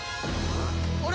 あれ？